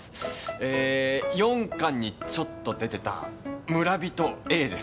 えー４巻にちょっと出てた村人Ａですよね。